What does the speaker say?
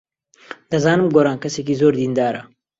دەزانم گۆران کەسێکی زۆر دیندارە.